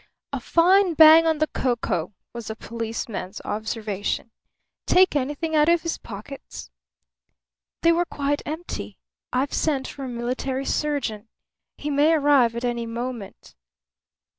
"A fine bang on the coco," was the policeman's observation. "Take anything out of his pockets?" "They were quite empty. I've sent for a military surgeon. He may arrive at any moment."